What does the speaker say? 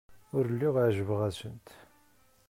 Ur lliɣ ɛejbeɣ-asent.